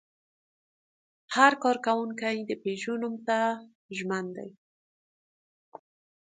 هر کارکوونکی د پيژو نوم ته ژمن دی.